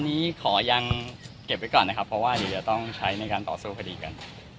อันนี้ขอยังเก็บไว้ก่อนนะครับเพราะว่าเดี๋ยวจะต้องใช้ในการต่อสู้คดีกัน